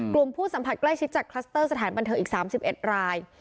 ผู้สัมผัสใกล้ชิดจากคลัสเตอร์สถานบันเทิงอีก๓๑ราย